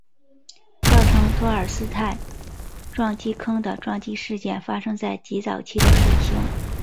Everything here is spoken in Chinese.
造成托尔斯泰撞击坑的撞击事件发生在极早期的水星。